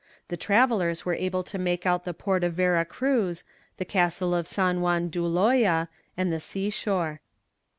The travellers were able to make out the port of Vera Cruz, the castle of San Juan d'Ulloa and the sea shore.